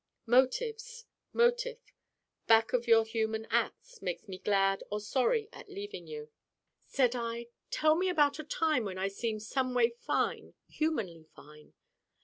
Motives motif back of your human acts make me glad or sorry at leaving you.' Said I: 'Tell me about a time when I seemed someway fine, humanly fine.